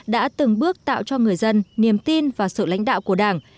đã từng bước tạo cho người dân niềm tin và sự lãnh đạo của đảng